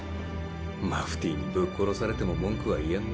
マフティーにぶっ殺されても文句は言えんな。